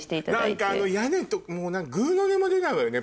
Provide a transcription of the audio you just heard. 何かあの屋根とかぐうの音も出ないわよね